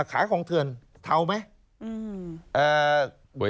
ขายของเถื่อนเทาไหม